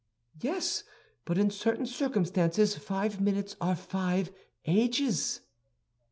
"Yes; but in certain circumstances five minutes are five ages."